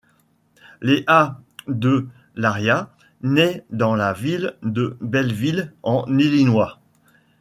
Lea DeLaria nait dans la ville de Belleville en Illinois.